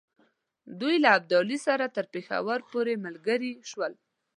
دوی له ابدالي سره تر پېښور پوري ملګري شول.